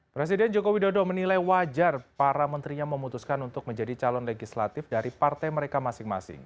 presiden joko widodo menilai wajar para menterinya memutuskan untuk menjadi calon legislatif dari partai mereka masing masing